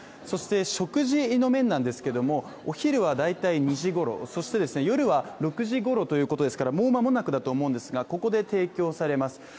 そして食事の面なんですけど、お昼は大体Ⅱ時頃、そして夜は６時ごろということですから、もうまもなくだと思うんですが、ここで提供されます。